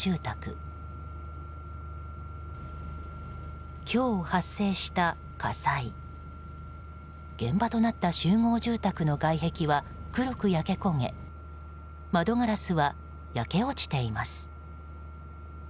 現場となった集合住宅の外壁は黒く焼け焦げ窓ガラスは焼け落ちています。